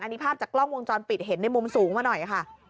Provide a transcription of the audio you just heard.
อันนี้ภาพจากกล้องวงจรปิดเห็นในมุมสูงมาหน่อยค่ะ